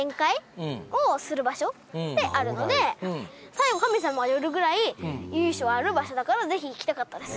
最後神様が寄るぐらい由緒ある場所だからぜひ行きたかったです。